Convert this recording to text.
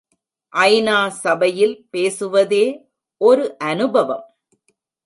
ஐ.நா.சபையில் பேசுவதே ஒரு அனுபவம்.